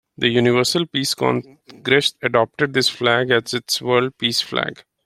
The Universal Peace Congress adopted this flag as its World Peace Flag.